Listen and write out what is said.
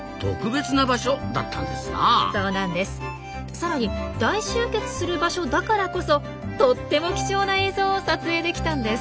さらに大集結する場所だからこそとっても貴重な映像を撮影できたんです。